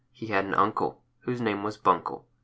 He had an uncle Whose name was Buncle.